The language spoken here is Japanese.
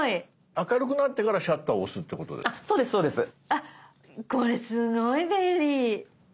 あっこれすごい便利！